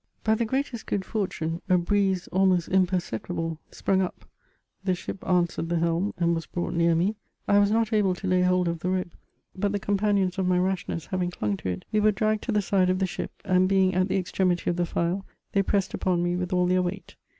By the greatest good fortune, a breeze, almost imperceptible, sprung up ; the ship answered the helm, and was brought near me ; I was not able to lay hold of the rope ; but the companions of my rashness having clung to it, we were dragged to the side of the ship, and being at the extremity of the file, they pressed upon me with all their weight.